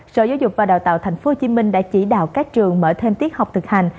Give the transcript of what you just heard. sở giáo dục và đào tạo tp hcm đã chỉ đạo các trường mở thêm tiết học thực hành